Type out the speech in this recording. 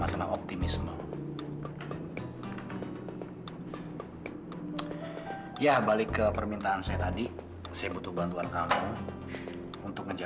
sampai jumpa di video selanjutnya